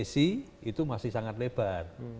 uncac itu masih sangat lebar